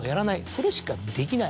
それしかできない。